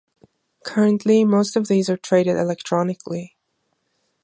Currently most of these are traded electronically.